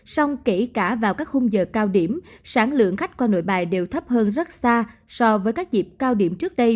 xong kể cả vào các khung giờ cao điểm sản lượng khách qua nội bài đều thấp hơn rất xa so với các dịp cao điểm trước đây